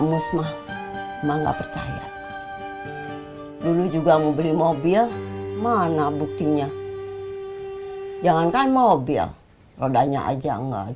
musmah mangga percaya dulu juga mau beli mobil mana buktinya jangankan mobil rodanya aja enggak